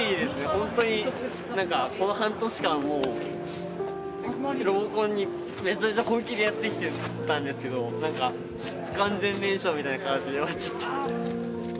本当に何かこの半年間もう「ロボコン」にめちゃめちゃ本気でやってきてたんですけど何か不完全燃焼みたいな感じで終わっちゃって。